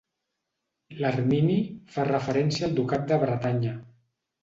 L'ermini fa referència al Ducat de Bretanya.